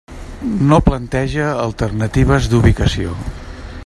No planteja alternatives d'ubicació.